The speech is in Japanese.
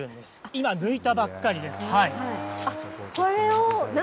今抜いたばっかりです。